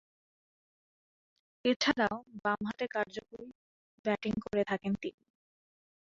এছাড়াও, বামহাতে কার্যকরী ব্যাটিং করে থাকেন তিনি।